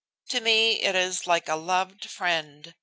To me it is like a loved friend.